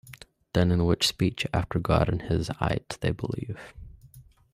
Then in which speech after God and His Ayat will they believe?